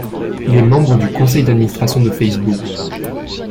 Il est membre du conseil d'administration de Facebook.